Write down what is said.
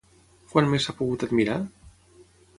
Quan més s'ha pogut admirar?